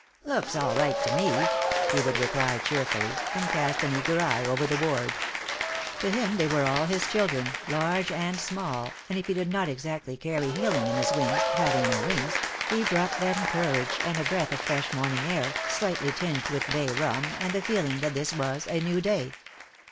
"Looks all right to me," he would reply cheerfully, and cast an eager eye over the ward. To him they were all his children, large and small, and if he did not exactly carry healing in his wings, having no wings, he brought them courage and a breath of fresh morning air, slightly tinged with bay rum, and the feeling that this was a new day.